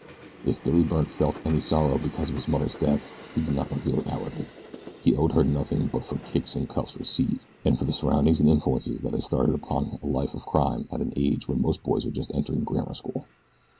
If Billy Byrne felt any sorrow because of his mother's death he did not reveal it outwardly. He owed her nothing but for kicks and cuffs received, and for the surroundings and influences that had started him upon a life of crime at an age when most boys are just entering grammar school.